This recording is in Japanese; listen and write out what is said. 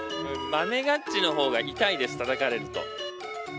豆ガッチの方が痛いです、たたかれると。